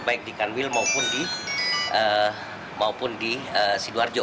baik di kanwil maupun di sidoarjo